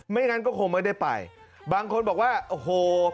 งั้นก็คงไม่ได้ไปบางคนบอกว่าโอ้โห